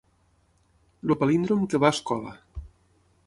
El palíndrom que va a escola.